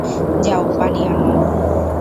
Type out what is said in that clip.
যাও, পানি আনো।